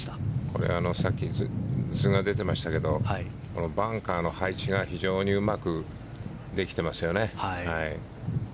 これ、さっき図が出てましたけどバンカーの配置が非常にうまくできてますよね。